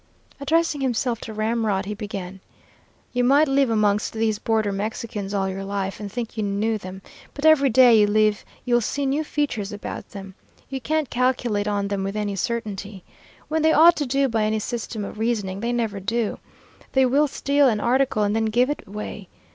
Addressing himself to Ramrod, he began: "You might live amongst these border Mexicans all your life and think you knew them; but every day you live you'll see new features about them. You can't calculate on them with any certainty. What they ought to do by any system of reasoning they never do. They will steal an article and then give it away.